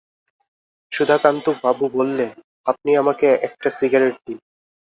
সুধাকান্তবাবু বললেন, আপনি আমাকে একটা সিগারেট দিন।